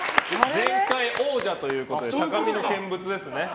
前回王者ということで高みの見物ですね。